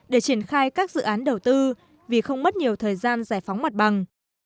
để triển khai các dự án đầu tư vì không mất nhiều thời gian giải phóng mặt bằng